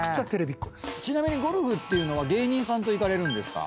ちなみにゴルフっていうのは芸人さんと行かれるんですか？